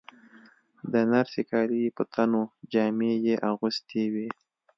د نرسې کالي یې په تن وو، جامې یې اغوستې وې.